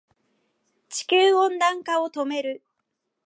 地球温暖化を止める